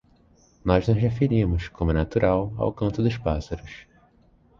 Nós nos referimos, como é natural, ao canto dos pássaros.